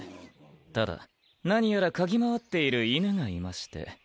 ただ何やら嗅ぎ回っている犬がいまして。